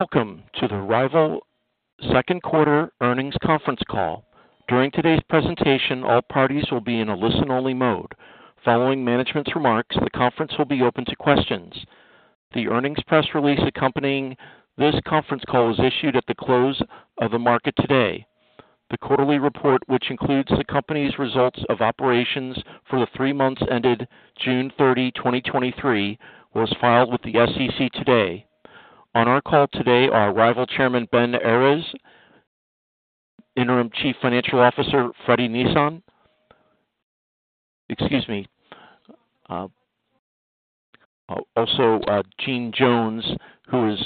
Welcome to the RYVYL Q2 earnings conference call. During today's presentation, all parties will be in a listen-only mode. Following management's remarks, the conference will be open to questions. The earnings press release accompanying this conference call was issued at the close of the market today. The quarterly report, which includes the company's results of operations for the 3 months ended June 30, 2023, was filed with the SEC today. On our call today are RYVYL Chairman, Ben Errez, Interim Chief Financial Officer, Fredi Nisan. Excuse me, also, Gene Jones,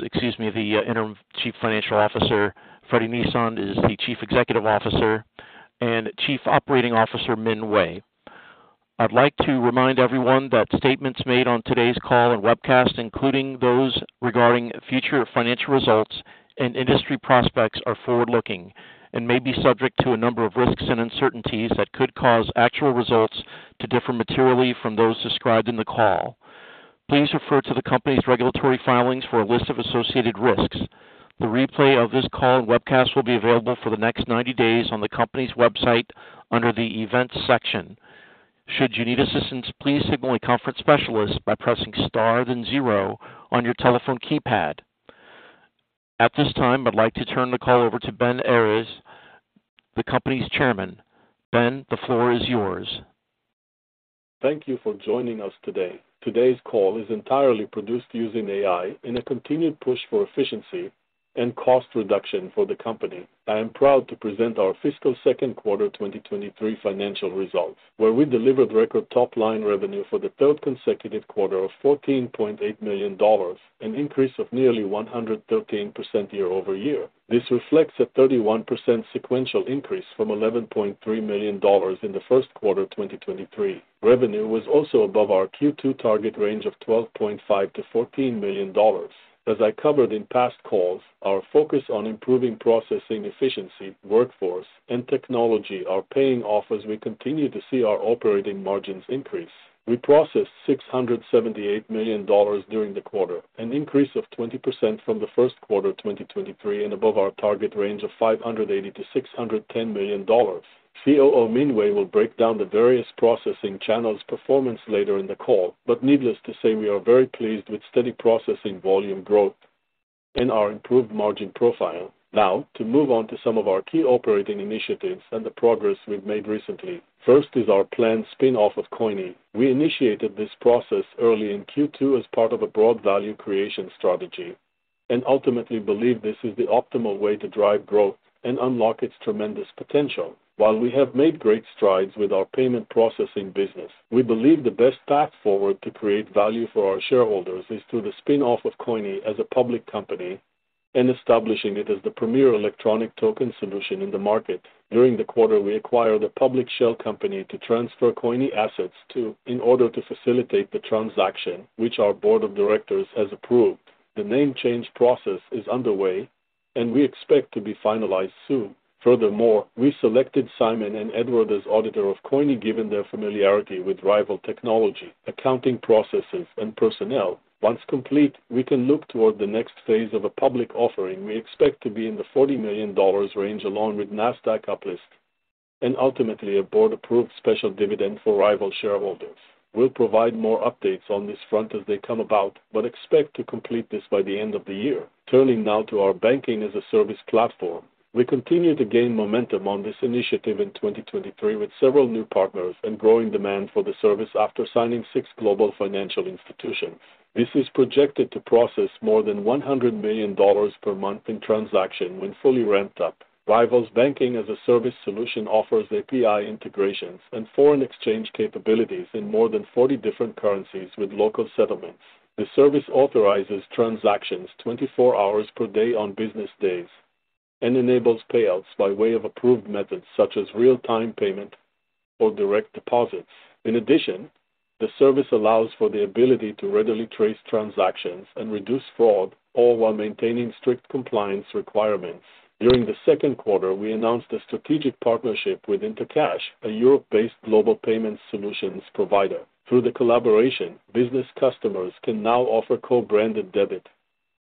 excuse me, the Interim Chief Financial Officer. Fredi Nisan is the Chief Executive Officer and Chief Operating Officer, Min Wei. I'd like to remind everyone that statements made on today's call and webcast, including those regarding future financial results and industry prospects, are forward-looking and may be subject to a number of risks and uncertainties that could cause actual results to differ materially from those described in the call. Please refer to the company's regulatory filings for a list of associated risks. The replay of this call and webcast will be available for the next 90 days on the company's website under the Events section. Should you need assistance, please signal a conference specialist by pressing * then 0 on your telephone keypad. At this time, I'd like to turn the call over to Ben Errez, the company's Chairman. Ben, the floor is yours. Thank you for joining us today. Today's call is entirely produced using AI in a continued push for efficiency and cost reduction for the company. I am proud to present our fiscal Q2 2023 financial results, where we delivered record top-line revenue for the 3rd consecutive quarter of $14.8 million, an increase of nearly 113% year-over-year. This reflects a 31% sequential increase from $11.3 million in the Q1 of 2023. Revenue was also above our Q2 target range of $12.5 million-$14 million. As I covered in past calls, our focus on improving processing efficiency, workforce, and technology are paying off as we continue to see our operating margins increase. We processed $678 million during the quarter, an increase of 20% from the Q1 of 2023 and above our target range of $580 million-$610 million. COO Min Wei will break down the various processing channels' performance later in the call. Needless to say, we are very pleased with steady processing volume growth and our improved margin profile. Now, to move on to some of our key operating initiatives and the progress we've made recently. First is our planned spin-off of coyni. We initiated this process early in Q2 as part of a broad value creation strategy and ultimately believe this is the optimal way to drive growth and unlock its tremendous potential. While we have made great strides with our payment processing business, we believe the best path forward to create value for our shareholders is through the spin-off of coyni as a public company and establishing it as the premier electronic token solution in the market. During the quarter, we acquired a public shell company to transfer coyni assets to in order to facilitate the transaction, which our board of directors has approved. The name change process is underway and we expect to be finalized soon. Furthermore, we selected Simon & Edward, LLP as auditor of coyni, given their familiarity with RYVYL technology, accounting processes, and personnel. Once complete, we can look toward the next phase of a public offering. We expect to be in the $40 million range, along with Nasdaq uplist and ultimately a board-approved special dividend for RYVYL shareholders. We'll provide more updates on this front as they come about, but expect to complete this by the end of the year. Turning now to our Banking-as-a-Service platform. We continue to gain momentum on this initiative in 2023, with 6 new partners and growing demand for the service after signing 6 global financial institutions. This is projected to process more than $100 million per month in transaction when fully ramped up. RYVYL's Banking-as-a-Service solution offers API integrations and foreign exchange capabilities in more than 40 different currencies with local settlements. The service authorizes transactions 24 hours per day on business days and enables payouts by way of approved methods such as real-time payment or direct deposits. In addition, the service allows for the ability to readily trace transactions and reduce fraud, all while maintaining strict compliance requirements. During the Q2, we announced a strategic partnership with Intercash, a Europe-based global payment solutions provider. Through the collaboration, business customers can now offer co-branded debit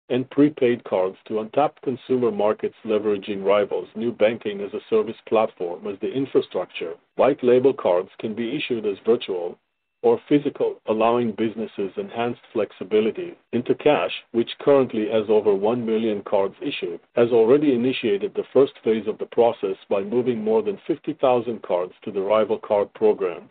and prepaid cards to untapped consumer markets, leveraging RYVYL's new Banking-as-a-Service platform as the infrastructure. White label cards can be issued as virtual or physical, allowing businesses enhanced flexibility. Intercash, which currently has over 1 million cards issued, has already initiated the 1st phase of the process by moving more than 50,000 cards to the RYVYL card program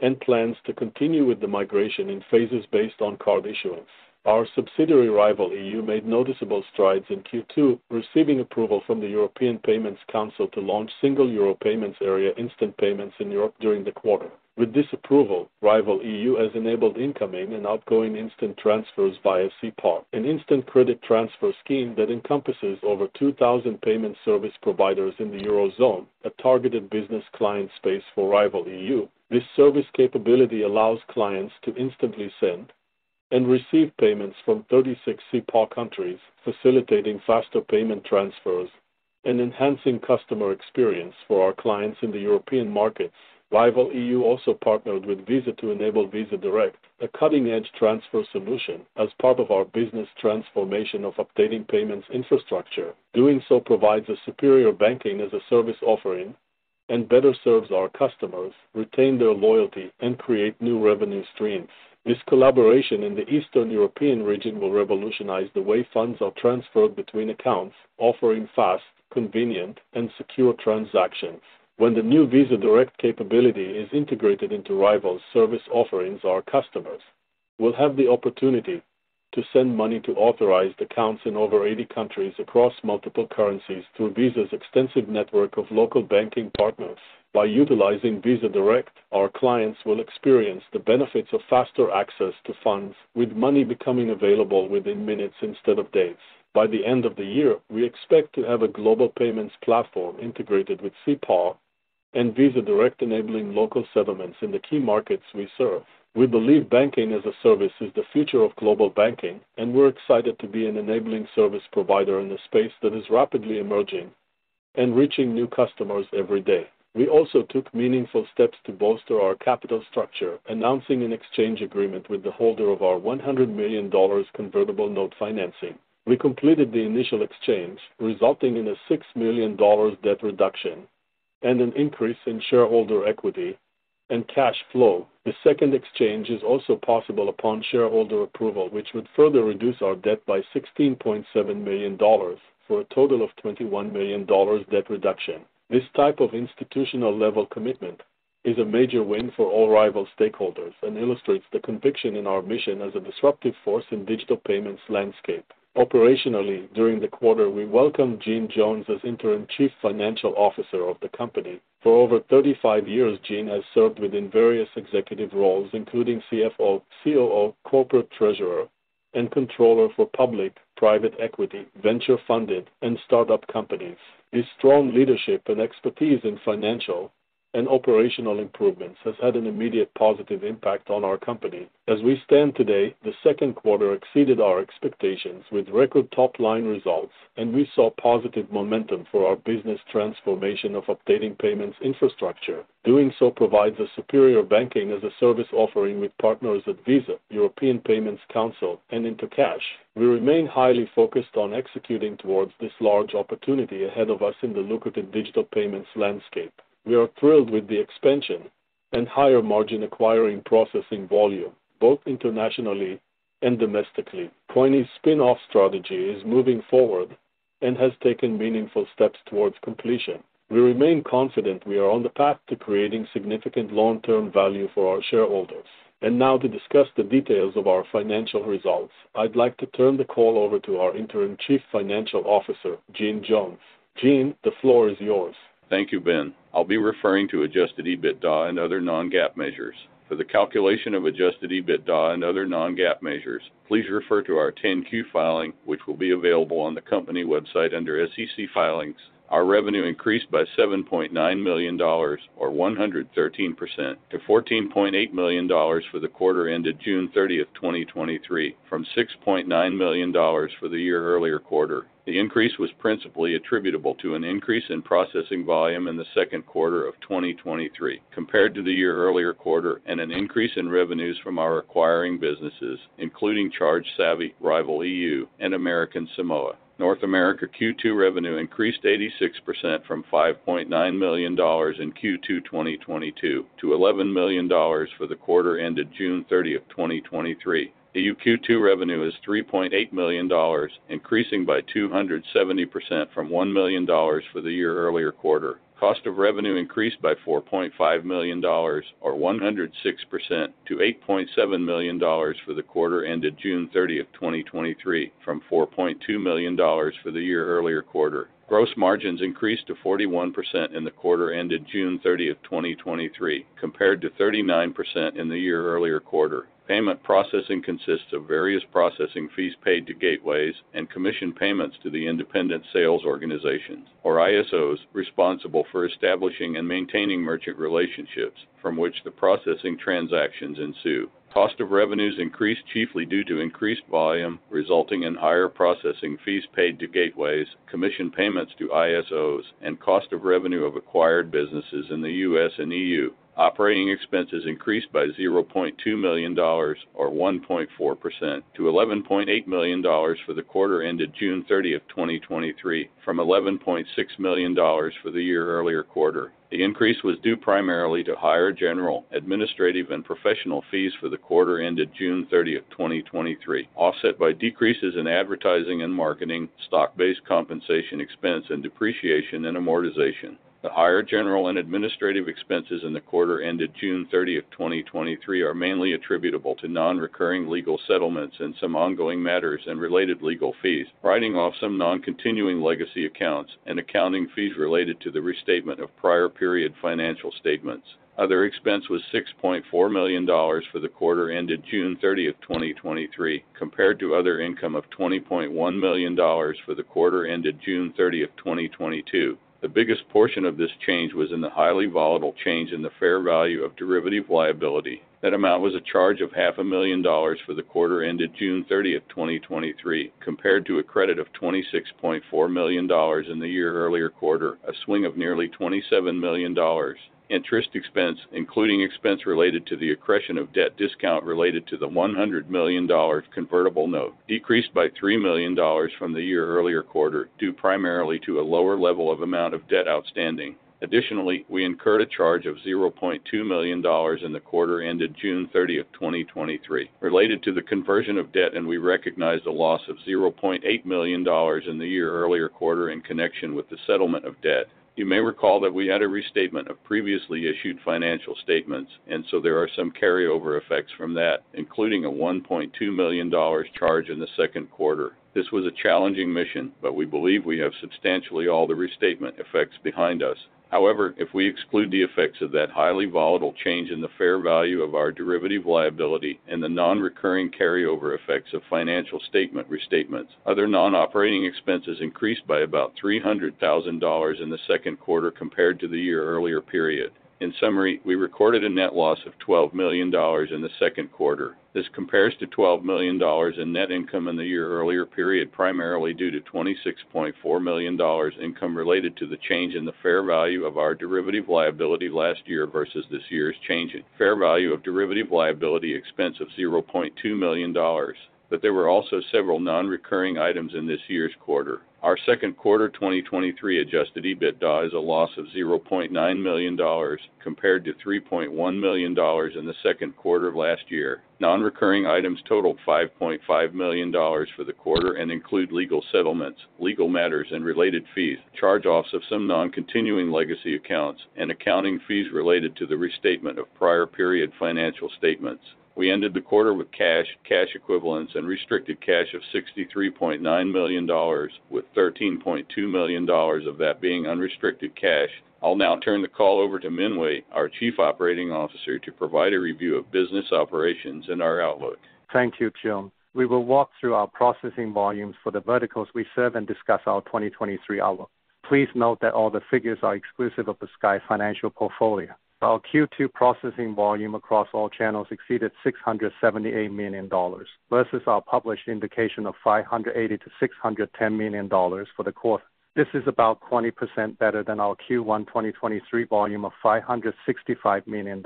and plans to continue with the migration in phases based on card issuance. Our subsidiary, RYVYL EU, made noticeable strides in Q2, receiving approval from the European Payments Council to launch Single Euro Payments Area instant payments in Europe during the quarter. With this approval, RYVYL EU has enabled incoming and outgoing instant transfers via SEPA, an instant credit transfer scheme that encompasses over 2,000 payment service providers in the Eurozone, a targeted business client space for RYVYL EU. This service capability allows clients to instantly send and receive payments from 36 SEPA countries, facilitating faster payment transfers.... and enhancing customer experience for our clients in the European markets. RYVYL EU also partnered with Visa to enable Visa Direct, a cutting-edge transfer solution as part of our business transformation of updating payments infrastructure. Doing so provides a superior Banking-as-a-Service offering and better serves our customers, retain their loyalty, and create new revenue streams. This collaboration in the Eastern European region will revolutionize the way funds are transferred between accounts, offering fast, convenient, and secure transactions. When the new Visa Direct capability is integrated into RYVYL's service offerings, our customers will have the opportunity to send money to authorized accounts in over 80 countries across multiple currencies through Visa's extensive network of local banking partners. By utilizing Visa Direct, our clients will experience the benefits of faster access to funds, with money becoming available within minutes instead of days. By the end of the year, we expect to have a global payments platform integrated with SEPA and Visa Direct, enabling local settlements in the key markets we serve. We believe banking-as-a-service is the future of global banking, and we're excited to be an enabling service provider in a space that is rapidly emerging and reaching new customers every day. We also took meaningful steps to bolster our capital structure, announcing an exchange agreement with the holder of our $100 million convertible note financing. We completed the initial exchange, resulting in a $6 million debt reduction and an increase in shareholder equity and cash flow. The 2nd exchange is also possible upon shareholder approval, which would further reduce our debt by $16.7 million, for a total of $21 million debt reduction. This type of institutional-level commitment is a major win for all RYVYL stakeholders and illustrates the conviction in our mission as a disruptive force in digital payments landscape. Operationally, during the quarter, we welcomed Gene Jones as Interim Chief Financial Officer of the company. For over 35 years, Gene has served within various executive roles, including CFO, COO, Corporate Treasurer, and Controller for public, private equity, venture-funded, and startup companies. His strong leadership and expertise in financial and operational improvements has had an immediate positive impact on our company. As we stand today, the Q2 exceeded our expectations with record top-line results, and we saw positive momentum for our business transformation of updating payments infrastructure. Doing so provides a superior banking-as-a-service offering with partners at Visa, European Payments Council and Intercash. We remain highly focused on executing towards this large opportunity ahead of us in the lucrative digital payments landscape. We are thrilled with the expansion and higher margin acquiring processing volume, both internationally and domestically. coyni's spin-off strategy is moving forward and has taken meaningful steps towards completion. We remain confident we are on the path to creating significant long-term value for our shareholders. Now to discuss the details of our financial results, I'd like to turn the call over to our Interim Chief Financial Officer, Gene Jones. Gene, the floor is yours. Thank you, Ben. I'll be referring to adjusted EBITDA and other non-GAAP measures. For the calculation of adjusted EBITDA and other non-GAAP measures, please refer to our 10-Q filing, which will be available on the company website under SEC Filings. Our revenue increased by $7.9 million, or 113%, to $14.8 million for the quarter ended June 30, 2023, from $6.9 million for the year earlier quarter. The increase was principally attributable to an increase in processing volume in Q2 2023 compared to the year earlier quarter, and an increase in revenues from our acquiring businesses, including ChargeSavvy, RYVYL EU, and American Samoa. North America Q2 revenue increased 86% from $5.9 million in Q2 2022 to $11 million for the quarter ended June 30, 2023. EU Q2 revenue is $3.8 million, increasing by 270% from $1 million for the year-earlier quarter. Cost of revenue increased by $4.5 million, or 106%, to $8.7 million for the quarter ended June 30, 2023, from $4.2 million for the year-earlier quarter. Gross margins increased to 41% in the quarter ended June 30, 2023, compared to 39% in the year-earlier quarter. Payment processing consists of various processing fees paid to gateways and commission payments to the independent sales organizations, or ISOs, responsible for establishing and maintaining merchant relationships from which the processing transactions ensue. Cost of revenues increased chiefly due to increased volume, resulting in higher processing fees paid to gateways, commission payments to ISOs, and cost of revenue of acquired businesses in the US and EU. Operating expenses increased by $0.2 million, or 1.4%, to $11.8 million for the quarter ended June 30, 2023, from $11.6 million for the year-earlier quarter. The increase was due primarily to higher general, administrative, and professional fees for the quarter ended June 30, 2023, offset by decreases in advertising and marketing, stock-based compensation expense, and depreciation and amortization. The higher general and administrative expenses in the quarter ended June 30, 2023, are mainly attributable to non-recurring legal settlements and some ongoing matters and related legal fees, writing off some non-continuing legacy accounts and accounting fees related to the restatement of prior period financial statements. Other expense was $6.4 million for the quarter ended June 30, 2023, compared to other income of $20.1 million for the quarter ended June 30, 2022. The biggest portion of this change was in the highly volatile change in the fair value of derivative liability. That amount was a charge of $500,000 for the quarter ended June 30, 2023, compared to a credit of $26.4 million in the year earlier quarter, a swing of nearly $27 million. Interest expense, including expense related to the accretion of debt discount related to the $100 million convertible note, decreased by $3 million from the year earlier quarter, due primarily to a lower level of amount of debt outstanding. Additionally, we incurred a charge of $0.2 million in the quarter ended June 30, 2023, related to the conversion of debt, and we recognized a loss of $0.8 million in the year earlier quarter in connection with the settlement of debt. You may recall that we had a restatement of previously issued financial statements, and so there are some carryover effects from that, including a $1.2 million charge in the Q2. This was a challenging mission, but we believe we have substantially all the restatement effects behind us. If we exclude the effects of that highly volatile change in the fair value of our derivative liability and the non-recurring carryover effects of financial statement restatements, other non-operating expenses increased by about $300,000 in the Q2 compared to the year earlier period. In summary, we recorded a net loss of $12 million in the Q2. This compares to $12 million in net income in the year earlier period, primarily due to $26.4 million income related to the change in the fair value of our derivative liability last year versus this year's change in fair value of derivative liability expense of $0.2 million. There were also several non-recurring items in this year's quarter. Our Q2 2023 adjusted EBITDA is a loss of $0.9 million compared to $3.1 million in the Q2 of last year. Non-recurring items totaled $5.5 million for the quarter and include legal settlements, legal matters and related fees, charge-offs of some non-continuing legacy accounts, and accounting fees related to the restatement of prior period financial statements. We ended the quarter with cash, cash equivalents, and restricted cash of $63.9 million, with $13.2 million of that being unrestricted cash. I'll now turn the call over to Min Wei, our Chief Operating Officer, to provide a review of business operations and our outlook. Thank you, Gene. We will walk through our processing volumes for the verticals we serve and discuss our 2023 outlook. Please note that all the figures are exclusive of the Sky Financial portfolio. Our Q2 processing volume across all channels exceeded $678 million, versus our published indication of $580 million-$610 million for the quarter. This is about 20% better than our Q1 2023 volume of $565 million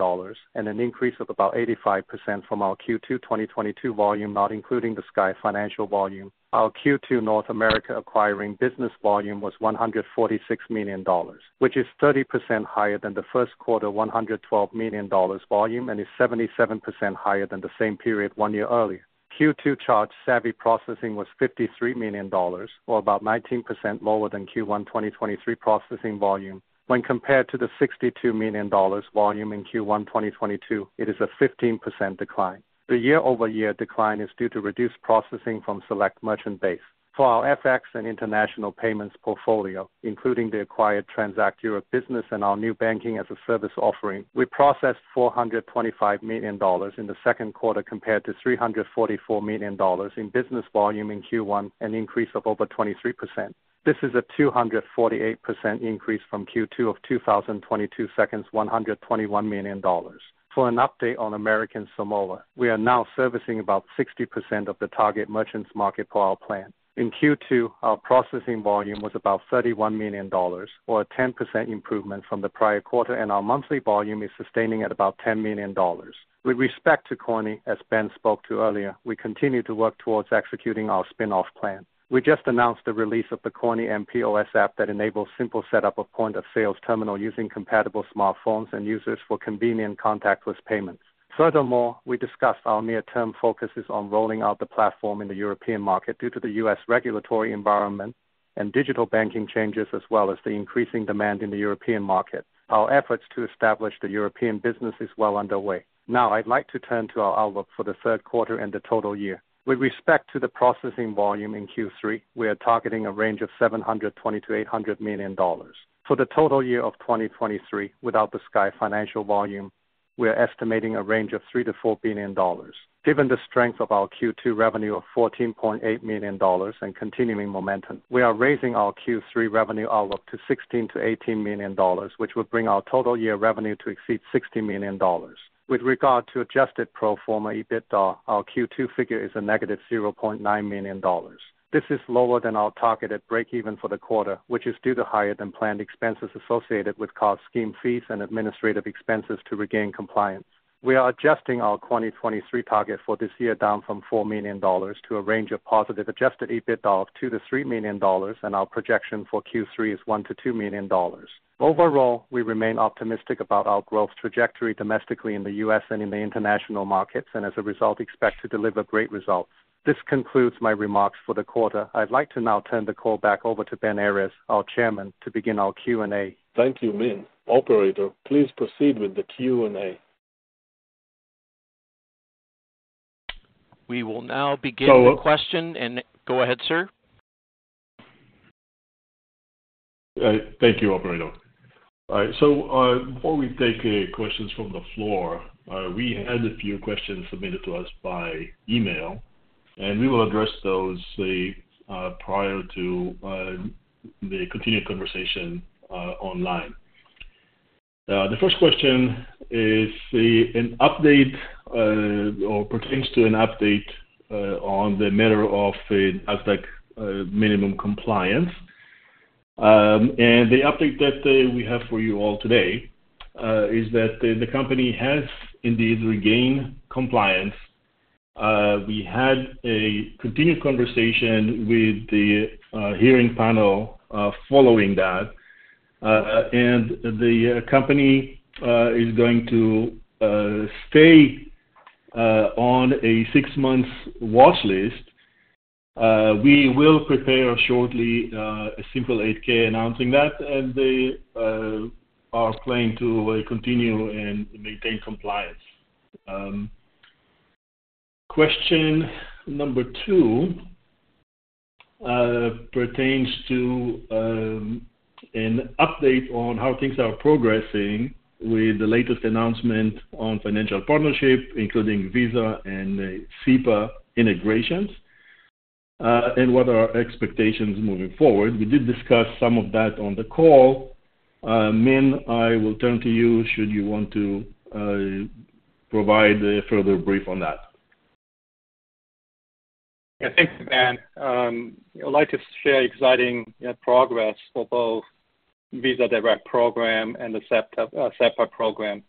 and an increase of about 85% from our Q2 2022 volume, not including the Sky Financial volume. Our Q2 North America acquiring business volume was $146 million, which is 30% higher than the Q1 $112 million volume and is 77% higher than the same period 1 year earlier. Q2 ChargeSavvy processing was $53 million, or about 19% lower than Q1 2023 processing volume. When compared to the $62 million volume in Q1 2022, it is a 15% decline. The year-over-year decline is due to reduced processing from select merchant base. For our FX and international payments portfolio, including the acquired Transact Europe business and our new banking-as-a-service offering, we processed $425 million in the Q2 compared to $344 million in business volume in Q1, an increase of over 23%. This is a 248% increase from Q2 of 2022 seconds, $121 million. For an update on American Samoa, we are now servicing about 60% of the target merchants market for our plan. In Q2, our processing volume was about $31 million, or a 10% improvement from the prior quarter, and our monthly volume is sustaining at about $10 million. With respect to coyni, as Ben spoke to earlier, we continue to work towards executing our spin-off plan. We just announced the release of the coyni mPOS app that enables simple setup of point of sales terminal using compatible smartphones and users for convenient contactless payments. Furthermore, we discussed our near-term focuses on rolling out the platform in the European market due to the U.S. regulatory environment and digital banking changes, as well as the increasing demand in the European market. Our efforts to establish the European business is well underway. Now, I'd like to turn to our outlook for the Q3 and the total year. With respect to the processing volume in Q3, we are targeting a range of $720 million-$800 million. For the total year of 2023, without the Sky Financial volume, we are estimating a range of $3 billion-$4 billion. Given the strength of our Q2 revenue of $14.8 million and continuing momentum, we are raising our Q3 revenue outlook to $16 million-$18 million, which will bring our total year revenue to exceed $60 million. With regard to adjusted pro forma EBITDA, our Q2 figure is a negative $0.9 million. This is lower than our targeted break even for the quarter, which is due to higher than planned expenses associated with cost scheme fees and administrative expenses to regain compliance. We are adjusting our 2023 target for this year, down from $4 million to a range of positive adjusted EBITDA of $2 million-$3 million. Our projection for Q3 is $1 million-$2 million. Overall, we remain optimistic about our growth trajectory domestically in the U.S. and in the international markets. As a result, expect to deliver great results. This concludes my remarks for the quarter. I'd like to now turn the call back over to Ben Errez, our chairman, to begin our Q&A. Thank you, Min. Operator, please proceed with the Q&A. We will now begin the question. Go ahead, sir. Thank you, operator. All right. Before we take questions from the floor, we had a few questions submitted to us by email, and we will address those prior to the continued conversation online. The first question is the, an update, or pertains to an update on the matter of the Nasdaq minimum compliance. The update that we have for you all today is that the company has indeed regained compliance. We had a continued conversation with the hearing panel following that, and the company is going to stay on a 6-month watch list. We will prepare shortly a simple 8-K announcing that, and they are planning to continue and maintain compliance. Question number 2, pertains to, an update on how things are progressing with the latest announcement on financial partnership, including Visa and SEPA integrations, and what are our expectations moving forward? We did discuss some of that on the call. Min, I will turn to you should you want to, provide a further brief on that. Thanks, Ben. I'd like to share exciting, yeah, progress for both Visa Direct program and the SEPA, SEPA program.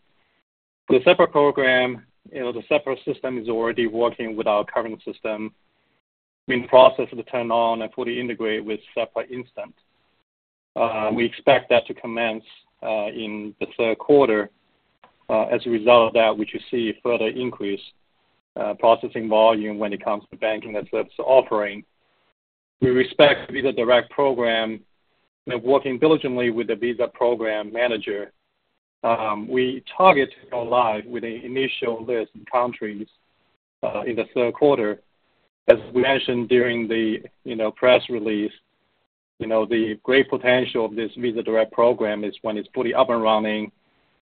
The SEPA program, you know, the SEPA system is already working with our current system, being processed to turn on and fully integrate with SEPA Instant. We expect that to commence in the Q3. As a result of that, we should see a further increase processing volume when it comes to banking that's, that's offering. We respect Visa Direct program and working diligently with the Visa program manager. We target to go live with the initial list of countries in the Q3. As we mentioned during the, you know, press release, you know, the great potential of this Visa Direct program is when it's fully up and running,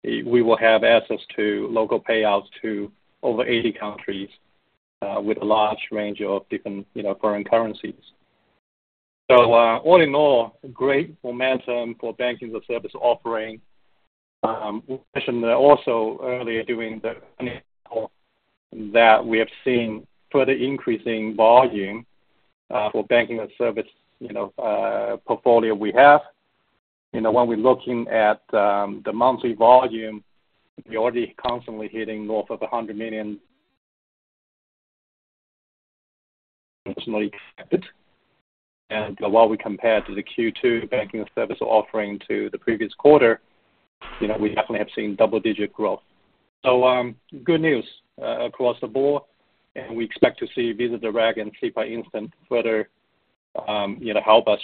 we will have access to local payouts to over 80 countries, with a large range of different, you know, foreign currencies. All in all, great momentum for banking service offering. We mentioned that also earlier during the call, that we have seen further increasing volume for banking service, you know, portfolio we have. You know, when we're looking at the monthly volume, we already constantly hitting north of $100 million-. While we compare to the Q2 banking service offering to the previous quarter, you know, we definitely have seen double-digit growth. Good news, across the board, and we expect to see Visa Direct and SEPA Instant further, you know, help us.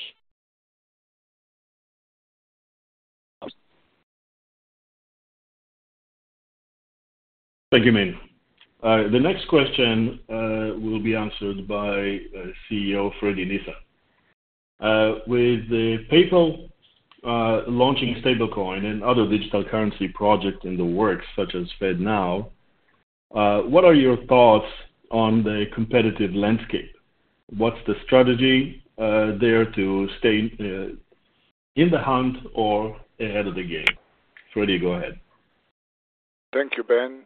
Thank you, Min. The next question will be answered by CEO, Fredi Nisan. With the PayPal launching stablecoin and other digital currency projects in the works, such as FedNow, what are your thoughts on the competitive landscape? What's the strategy there to stay in the hunt or ahead of the game? Fredi, go ahead. Thank you, Ben.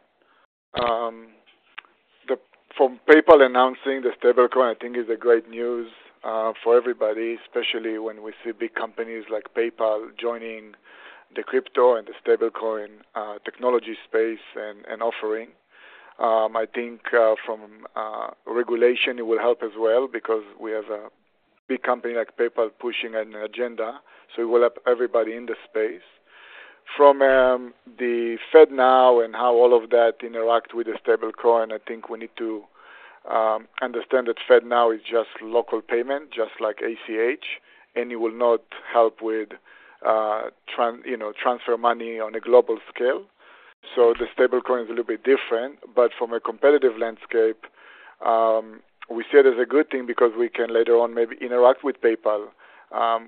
From PayPal announcing the stablecoin, I think, is great news for everybody, especially when we see big companies like PayPal joining the crypto and the stablecoin technology space and offering. I think, from regulation, it will help as well because we have a big company like PayPal pushing an agenda, it will help everybody in the space. From the FedNow and how all of that interact with the stablecoin, I think we need to understand that FedNow is just local payment, just like ACH, and it will not help with, you know, transfer money on a global scale. The stablecoin is a little bit different, but from a competitive landscape, we see it as a good thing because we can later on maybe interact with PayPal.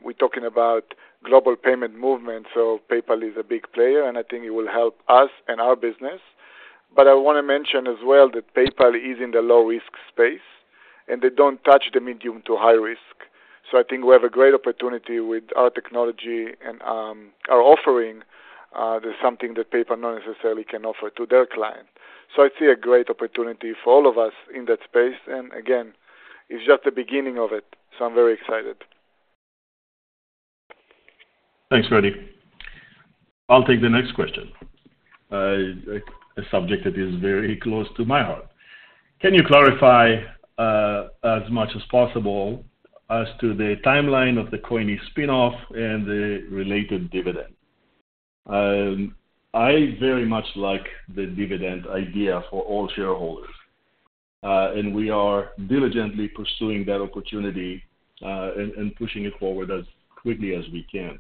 We're talking about global payment movement, so PayPal is a big player, and I think it will help us and our business. I want to mention as well that PayPal is in the low-risk space, and they don't touch the medium to high risk. I think we have a great opportunity with our technology and our offering, there's something that PayPal not necessarily can offer to their client. I see a great opportunity for all of us in that space, and again, it's just the beginning of it, so I'm very excited. Thanks, Fredi. I'll take the next question. A subject that is very close to my heart. Can you clarify, as much as possible as to the timeline of the coyni spin-off and the related dividend? I very much like the dividend idea for all shareholders, and we are diligently pursuing that opportunity, and pushing it forward as quickly as we can.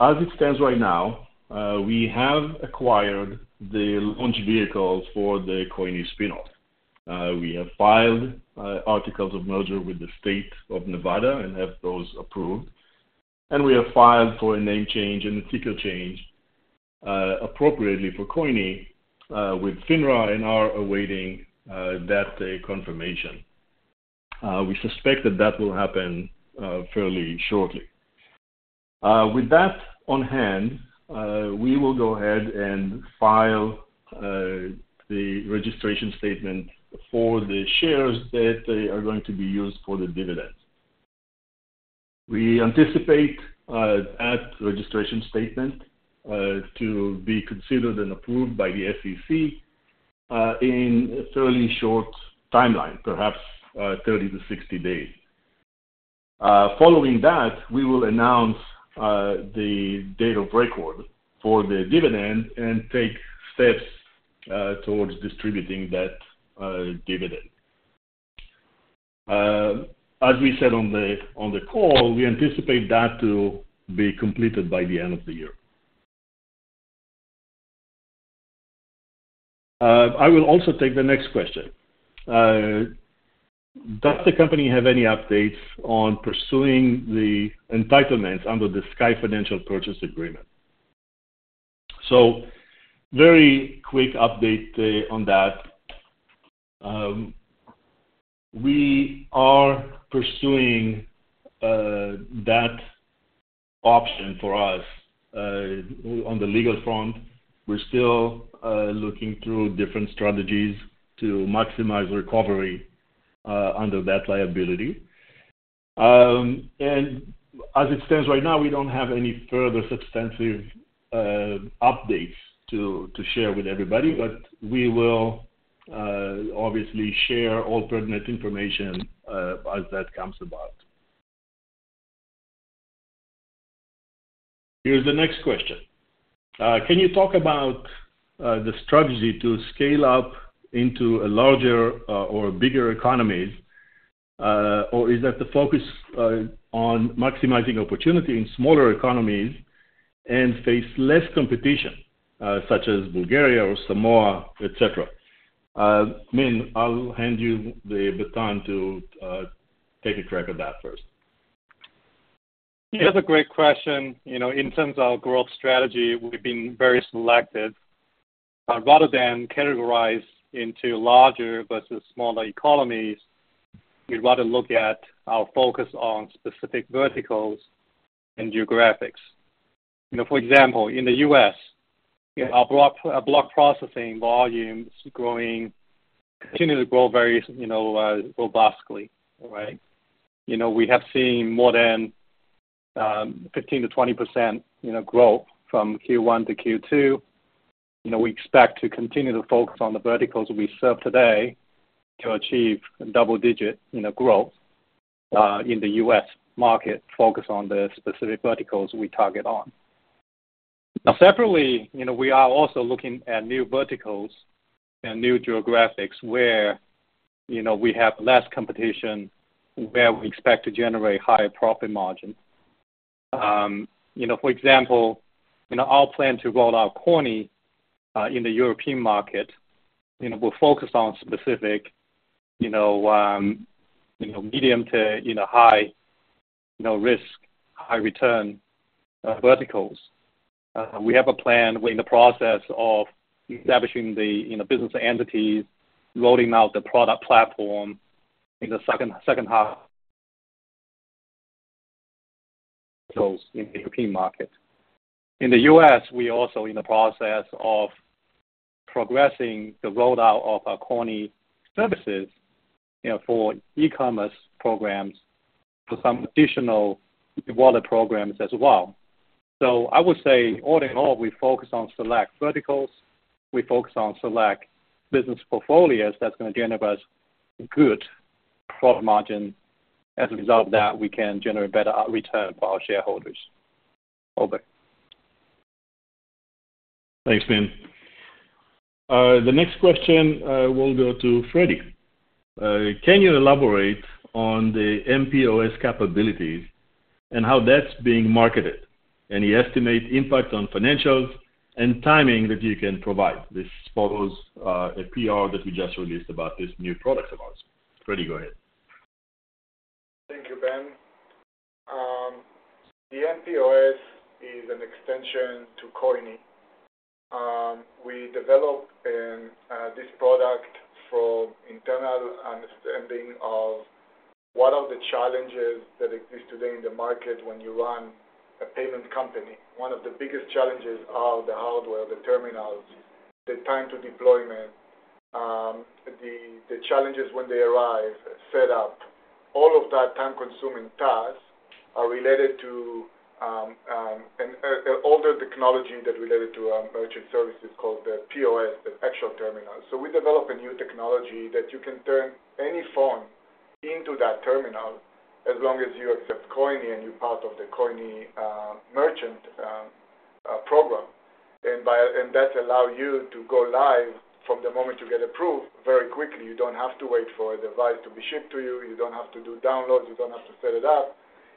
As it stands right now, we have acquired the launch vehicles for the coyni spin-off. We have filed articles of merger with the State of Nevada and have those approved, and we have filed for a name change and a ticker change, appropriately for coyni, with FINRA, and are awaiting that confirmation. We suspect that that will happen fairly shortly. With that on hand, we will go ahead and file the registration statement for the shares that are going to be used for the dividends. We anticipate that registration statement to be considered and approved by the SEC in a fairly short timeline, perhaps 30 to 60 days. Following that, we will announce the date of record for the dividend and take steps towards distributing that dividend. As we said on the, on the call, we anticipate that to be completed by the end of the year. I will also take the next question. Does the company have any updates on pursuing the entitlements under the Sky Financial purchase agreement? Very quick update on that. We are pursuing that option for us on the legal front. We're still looking through different strategies to maximize recovery under that liability. As it stands right now, we don't have any further substantive updates to share with everybody, but we will obviously share all pertinent information as that comes about. Here's the next question. Can you talk about the strategy to scale up into a larger or bigger economies? Or is that the focus on maximizing opportunity in smaller economies and face less competition, such as Bulgaria or Samoa, et cetera? Min, I'll hand you the baton to take a crack at that first. That's a great question. You know, in terms of our growth strategy, we've been very selective. Rather than categorize into larger versus smaller economies, we'd rather look at our focus on specific verticals and geographics. You know, for example, in the U.S., our block processing volumes continue to grow very, you know, robustly. Right? You know, we have seen more than 15%-20%, you know, growth from Q1 to Q2. You know, we expect to continue to focus on the verticals we serve today to achieve double-digit, you know, growth in the U.S. market, focused on the specific verticals we target on. Separately, you know, we are also looking at new verticals and new geographics where, you know, we have less competition, where we expect to generate higher profit margin. For example, our plan to roll out coyni in the European market, we're focused on specific medium to high, risk, high return verticals. We have a plan. We're in the process of establishing the business entities, rolling out the product platform in the H2, those in European market. In the U.S., we are also in the process of progressing the rollout of our coyni services for e-commerce programs, for some additional e-wallet programs as well. I would say, all in all, we focus on select verticals. We focus on select business portfolios that's going to generate us good profit margin. As a result of that, we can generate better return for our shareholders. Over. Thanks, Min. The next question will go to Fredi. Can you elaborate on the mPOS capabilities and how that's being marketed? Any estimate impact on financials and timing that you can provide? This follows a PR that we just released about this new product of ours. Fredi, go ahead. Thank you, Ben. The mPOS is an extension to coyni. We developed this product from internal understanding of what are the challenges that exist today in the market when you run a payment company. One of the biggest challenges are the hardware, the terminals, the time to deployment, the, the challenges when they arrive, set up. All of that time-consuming tasks are related to older technology that related to merchant services called the POS, the actual terminal. We develop a new technology that you can turn any phone into that terminal as long as you accept coyni, and you're part of the coyni merchant program. That allow you to go live from the moment you get approved very quickly. You don't have to wait for a device to be shipped to you. You don't have to do downloads. You don't have to set it up.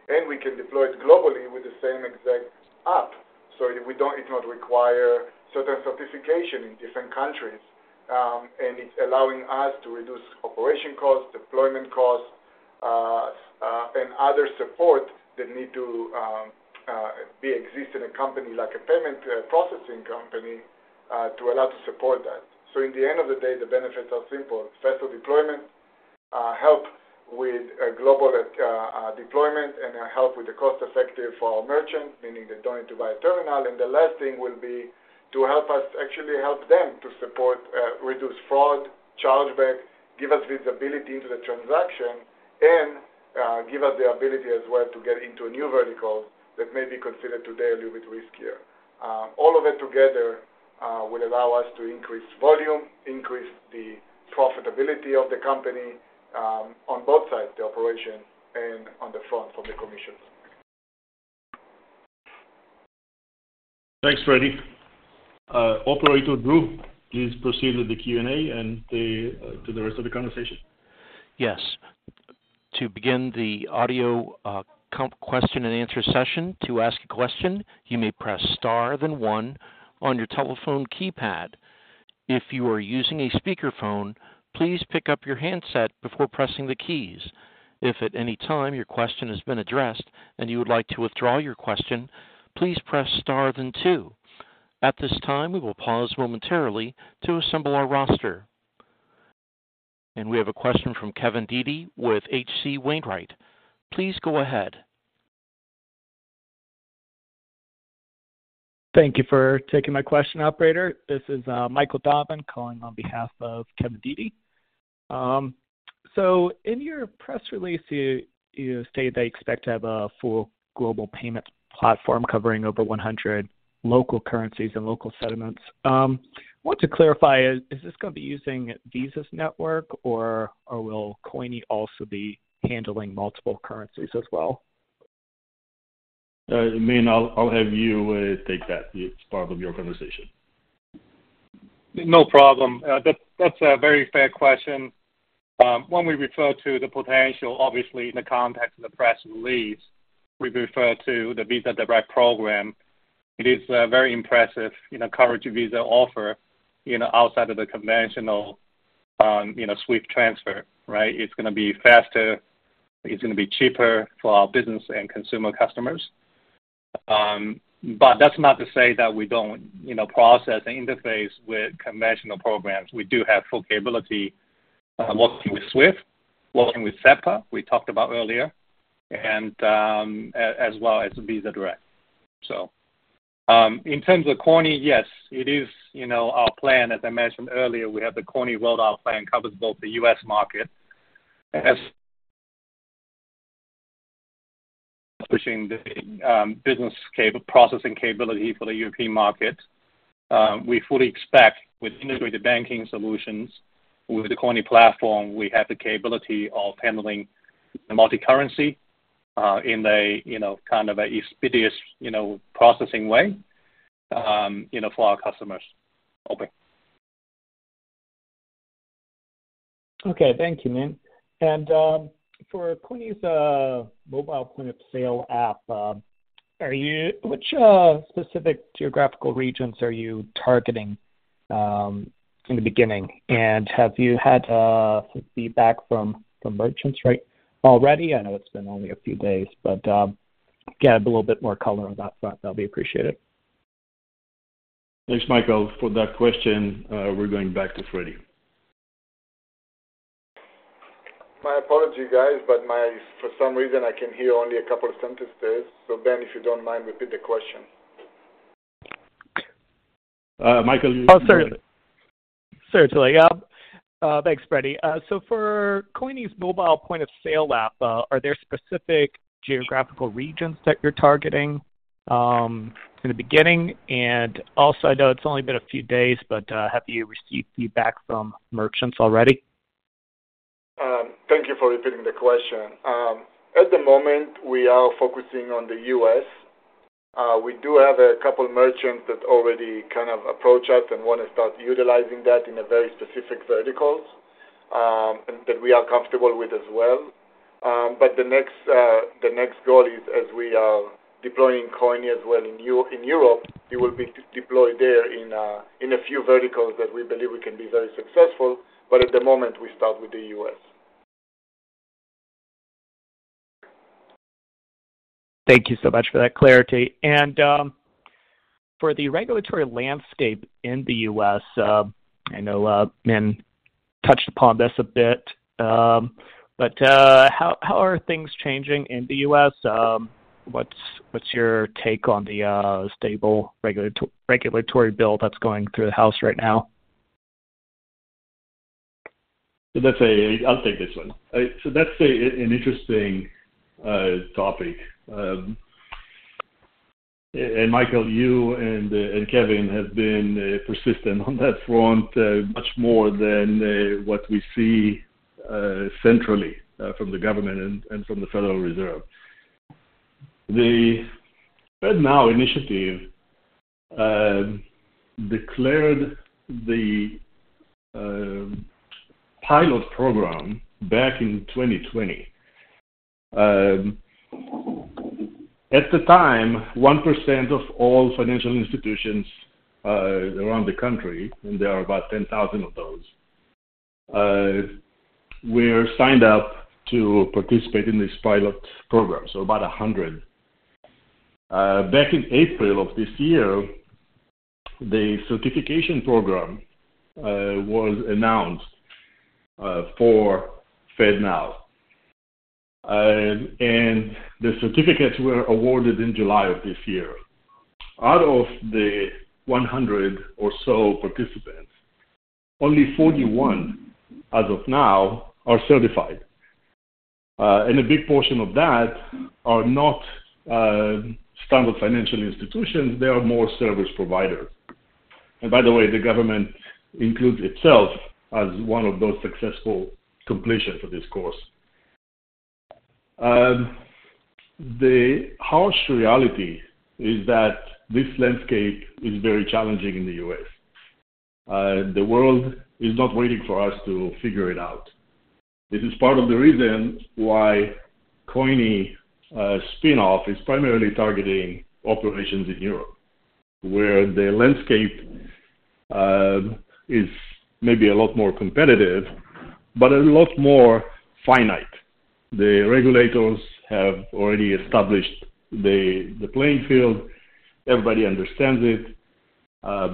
We can deploy it globally with the same exact app. We don't, it not require certain certification in different countries, and it's allowing us to reduce operation costs, deployment costs, and other support that need to be exist in a company like a payment processing company, to allow to support that. In the end of the day, the benefits are simple. Faster deployment, help with a global deployment, and help with the cost-effective for our merchant, meaning they don't need to buy a terminal. The last thing will be to help us actually help them to support reduce fraud, chargeback, give us visibility into the transaction, and give us the ability as well to get into a new vertical that may be considered today a little bit riskier. All of it together will allow us to increase volume, increase the profitability of the company on both sides, the operation and on the front from the commissions. Thanks, Fredi. Operator Drew, please proceed with the Q&A and the to the rest of the conversation. Yes. To begin the audio, question and answer session, to ask a question, you may press * 1 on your telephone keypad. If you are using a speakerphone, please pick up your handset before pressing the keys. If at any time your question has been addressed, and you would like to withdraw your question, please press Star 2. At this time, we will pause momentarily to assemble our roster. We have a question from Kevin Dede with H.C. Wainwright. Please go ahead. Thank you for taking my question, operator. This is Michael Dobbins, calling on behalf of Kevin Dede. In your press release, you, you state that you expect to have a full global payment platform covering over 100 local currencies and local settlements. I want to clarify, is, is this going to be using Visa's network, or, or will coyni also be handling multiple currencies as well? Min, I'll, I'll have you take that. It's part of your conversation. No problem. That's, that's a very fair question. When we refer to the potential, obviously in the context of the press release, we refer to the Visa Direct program. It is, very impressive, you know, coverage Visa offer, you know, outside of the conventional, you know, SWIFT transfer, right? It's going to be faster, it's going to be cheaper for our business and consumer customers. That's not to say that we don't, you know, process and interface with conventional programs. We do have full capability, working with SWIFT, working with SEPA, we talked about earlier, and as well as Visa Direct. In terms of coyni, yes, it is, you know, our plan, as I mentioned earlier, we have the coyni world plan covers both the U.S. market, as pushing the processing capability for the European market. We fully expect with integrated banking solutions, with the coyni platform, we have the capability of handling the multicurrency in a kind of a expeditious processing way for our customers. Over. Okay. Thank you, Min. For coyni's mobile point of sale app, which specific geographical regions are you targeting in the beginning? Have you had feedback from merchants right, already? I know it's been only a few days, but, get a little bit more color on that front. That'll be appreciated. Thanks, Michael, for that question. We're going back to Frediy. My apologies, guys, but for some reason, I can hear only a couple of sentences, so Ben, if you don't mind, repeat the question. Michael- Sorry. Thanks, Fredi. For coyni's mobile point of sale app, are there specific geographical regions that you're targeting, in the beginning? Also, I know it's only been a few days, but, have you received feedback from merchants already? Thank you for repeating the question. At the moment, we are focusing on the U.S. We do have a couple merchants that already kind of approach us and want to start utilizing that in a very specific verticals, and that we are comfortable with as well. The next, the next goal is as we are deploying coyni as well in Europe, it will be deployed there in a, in a few verticals that we believe we can be very successful, but at the moment, we start with the U.S. Thank you so much for that clarity. For the regulatory landscape in the U.S., I know Min touched upon this a bit, but how, how are things changing in the U.S.? What's, what's your take on the stable regulatory bill that's going through the House right now? Let's say... I'll take this one. That's an interesting topic. Michael, you and Kevin have been persistent on that front, much more than what we see centrally from the government and from the Federal Reserve. The FedNow initiative declared the pilot program back in 2020. At the time, 1% of all financial institutions around the country, and there are about 10,000 of those, were signed up to participate in this pilot program, so about 100. Back in April of this year, the certification program was announced for FedNow. The certificates were awarded in July of this year. Out of the 100 or so participants, only 41, as of now, are certified. A big portion of that are not standard financial institutions, they are more service providers. By the way, the government includes itself as one of those successful completions of this course. The harsh reality is that this landscape is very challenging in the U.S. The world is not waiting for us to figure it out. This is part of the reason why coyni spinoff is primarily targeting operations in Europe, where the landscape is maybe a lot more competitive, but a lot more finite. The regulators have already established the, the playing field. Everybody understands it.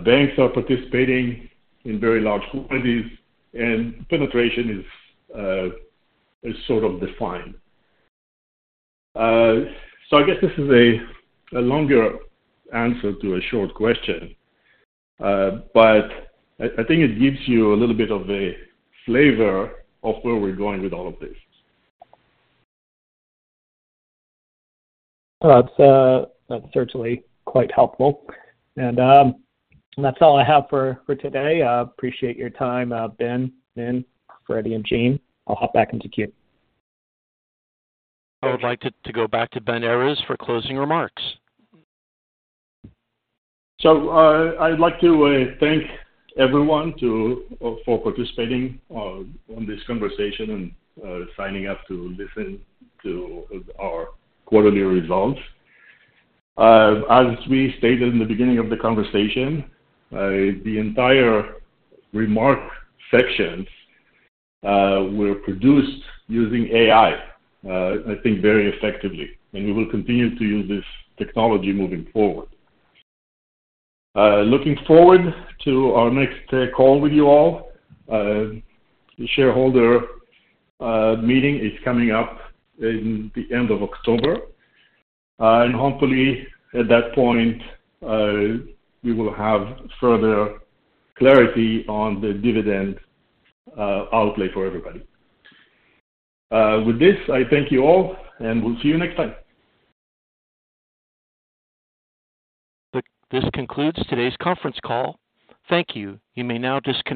Banks are participating in very large quantities, and penetration is sort of defined. I guess this is a longer answer to a short question, but I think it gives you a little bit of a flavor of where we're going with all of this. Well, that's, that's certainly quite helpful. That's all I have for, for today. I appreciate your time, Ben, Min, Fredi, and Gene. I'll hop back into queue. I would like to go back to Ben Errez for closing remarks. I'd like to thank everyone to... for participating on this conversation and signing up to listen to our quarterly results. As we stated in the beginning of the conversation, the entire remark sections were produced using AI, I think very effectively, and we will continue to use this technology moving forward. Looking forward to our next call with you all. The shareholder meeting is coming up in the end of October, and hopefully at that point, we will have further clarity on the dividend outlay for everybody. With this, I thank you all, and we'll see you next time. This concludes today's conference call. Thank you. You may now disconnect.